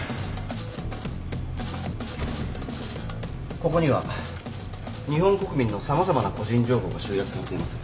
ここには日本国民の様々な個人情報が集約されています。